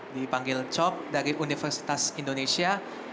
dipanggil cop dari universitas indonesia